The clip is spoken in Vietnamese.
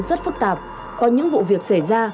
rất phức tạp có những vụ việc xảy ra